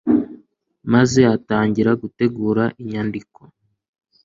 maze atangira gutegura inyandiko